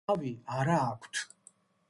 თავი არა აქვთ.